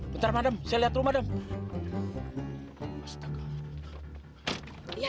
betar madem saya lihat rumahnya